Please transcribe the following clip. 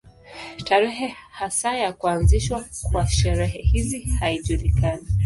Tarehe hasa ya kuanzishwa kwa sherehe hizi haijulikani.